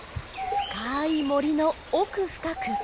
深い森の奥深く